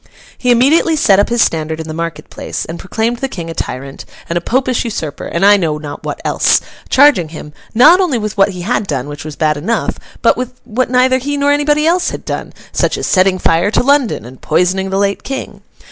He immediately set up his standard in the market place, and proclaimed the King a tyrant, and a Popish usurper, and I know not what else; charging him, not only with what he had done, which was bad enough, but with what neither he nor anybody else had done, such as setting fire to London, and poisoning the late King.